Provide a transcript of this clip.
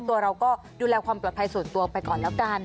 ตัวเราก็ดูแลความปลอดภัยส่วนตัวไปก่อนแล้วกัน